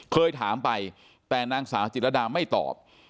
เคยถามไปแต่นางสาวจิตรดาไม่ตอบ